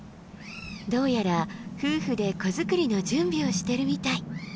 どうやら夫婦で子づくりの準備をしてるみたい。